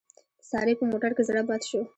د سارې په موټر کې زړه بد شو.